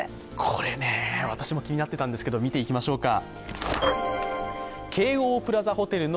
これね、私も気になっていたんですけど、見ていきましょうか。